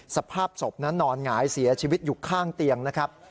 สภาพศพนั้นนอนหงายเสียชีวิตอยู่ข้างเตียงนะครับ